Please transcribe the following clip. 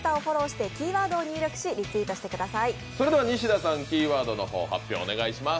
それでは西田さん、キーワードの方、発表をお願いします。